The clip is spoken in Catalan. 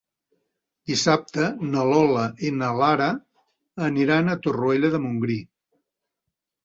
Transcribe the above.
Dissabte na Lola i na Lara aniran a Torroella de Montgrí.